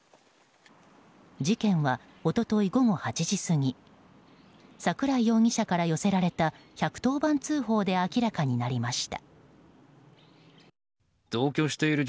事件は、一昨日午後８時過ぎ桜井容疑者から寄せられた１１０番通報で明らかになりました。